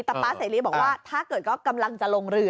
แต่ป๊าเสรีบอกว่าถ้าเกิดก็กำลังจะลงเรือ